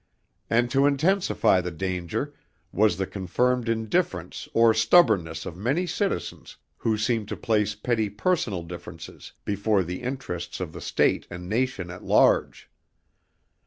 And to intensify the danger was the confirmed indifference or stubbornness of many citizens who seemed to place petty personal differences before the interests of the state and nation at large.